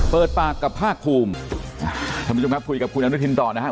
เปิดปากกับภาคภูมิท่านผู้ชมครับคุยกับคุณอนุทินต่อนะครับ